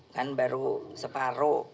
kan baru separuh